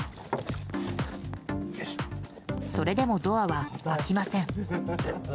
それでもドアは開きません。